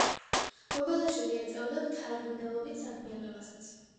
გოგოლაშვილი ეწეოდა მთარგმნელობით საქმიანობასაც.